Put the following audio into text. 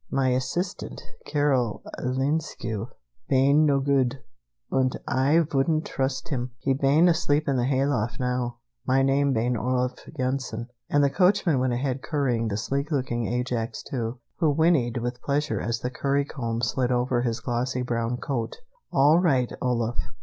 My assistant, Carol Linescu, bane no good, und Ay vouldn't trust him. He bane asleep up in the hayloft now. My name bane Olaf Yensen." And the coachman went ahead currying the sleek looking Ajax II, who whinnied with pleasure as the currycomb slid over his glossy brown coat. "All right, Olaf.